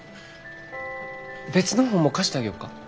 別の本も貸してあげようか？